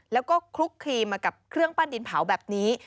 แล้วก็คลุกคลีมากับเครื่องปั้นดินเผาแบบนี้